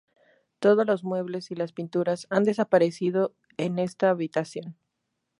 Todos los muebles y las pinturas han desaparecido en esta habitación.